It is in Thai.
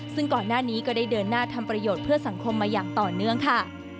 ซึ่งก่อนหน้านี้ก็ได้เดินหน้าทำประโยชน์เพื่อสังคมมาอย่างต่อเนื่องค่ะ